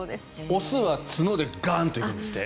雄は角でガンと行くんですって。